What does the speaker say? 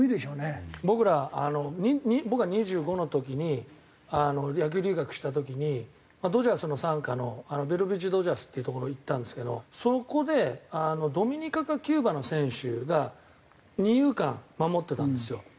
僕ら僕が２５の時に野球留学した時にドジャースの傘下のベロビーチ・ドジャースっていうところ行ったんですけどそこでドミニカかキューバの選手が二遊間守ってたんですよ。